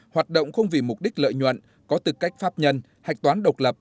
hoạt động không vì mục đích lợi nhuận có tư cách pháp nhân hạch toán độc lập